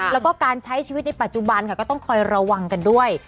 แล้วก็การใช้ชีวิตในปัจจุบันค่ะก็ต้องคอยระวังกันด้วย